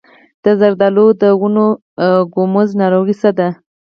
د زردالو د ونو ګوموز ناروغي څه ده؟